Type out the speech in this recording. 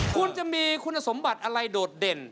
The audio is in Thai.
คุณจะมีคุณสมบัติอะไรโดดเด่น